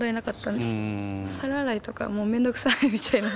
皿洗いとか面倒くさいみたいな。